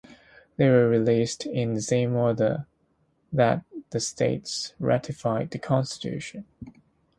They were released in the same order that the states ratified the Constitution.